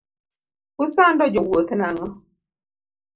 Usando jo wuoth nang'o.